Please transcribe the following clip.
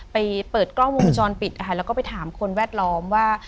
ไปเปิดกล้อมูลช้อนปิดแล้วไปถามคนแวดล้อมว่า